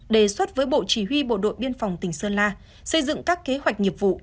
đề xuất với bộ chỉ huy bộ đội biên phòng tỉnh sơn la xây dựng các kế hoạch nghiệp vụ